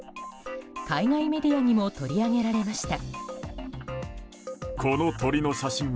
海外メディアにも取り上げられました。